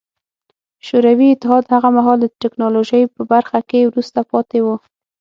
شوروي اتحاد هغه مهال د ټکنالوژۍ په برخه کې وروسته پاتې و